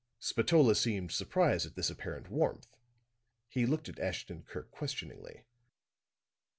Spatola seemed surprised at this apparent warmth; he looked at Ashton Kirk questioningly.